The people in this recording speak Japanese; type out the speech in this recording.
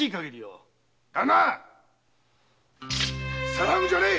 騒ぐんじゃねえ‼